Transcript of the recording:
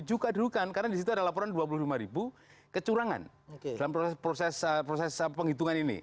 juga dirukan karena disitu ada laporan dua puluh lima ribu kecurangan dalam proses penghitungan ini